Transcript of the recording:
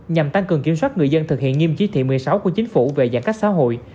nhằm tăng cường kiểm soát người dân thực hiện nghiêm chí thị một mươi sáu của chính phủ về giãn cách xã hội